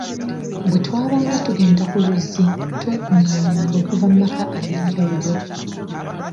Bwe twabanga tugenda ku luzzi, twekunganyanga okuva mu maka ag’enjawulo.